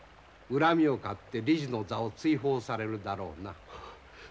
恨みを買って理事の座を追放されるだろうな。